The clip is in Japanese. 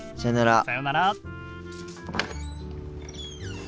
さようなら。